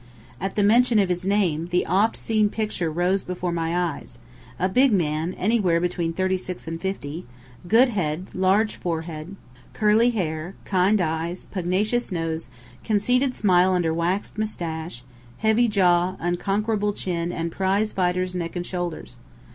At the mention of his name, the oft seen picture rose before my eyes a big man, anywhere between thirty six and fifty good head, large forehead, curly hair, kind eyes, pugnacious nose, conceited smile under waxed moustache, heavy jaw, unconquerable chin, and prize fighter's neck and shoulders.